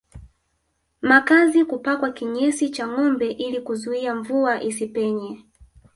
Makazi kupakwa kinyesi cha ngombe ili kuzuia mvua isipenye